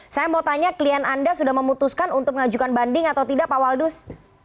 saya mau tanya klien anda sudah memutuskan untuk mengajukan banding atau tidak pak waldus